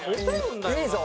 いいぞ！